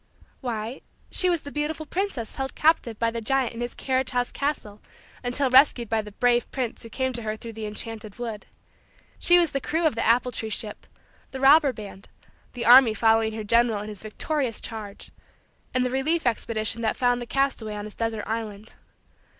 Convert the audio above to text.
Why, she was the beautiful princess held captive by the giant in his carriage house castle until rescued by the brave prince who came to her through the enchanted wood. She was the crew of the apple tree ship; the robber band; the army following her general in his victorious charge; and the relief expedition that found the castaway on his desert island.